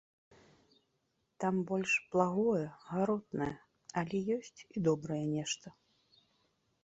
Там больш благое, гаротнае, але ёсць і добрае нешта.